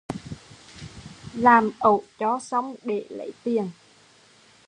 Làm ẩu cho xong để lấy tiền